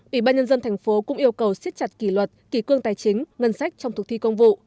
ủy ban nhân dân thành phố cũng yêu cầu siết chặt kỷ luật kỷ cương tài chính ngân sách trong thực thi công vụ